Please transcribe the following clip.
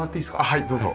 はいどうぞ。